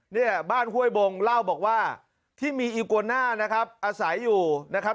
เนี่ยบ้านห้วยบงเล่าบอกว่าที่มีอิโกน่านะครับอาศัยอยู่นะครับ